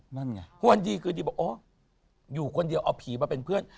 วันนี้คืออยู่คนเดียวเอาผีมาเป็นเพื่อน